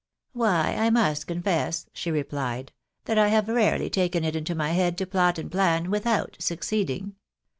" Why, I must confess," she replied, " that I have rarely taken it into my head to plot and plan without succeeding.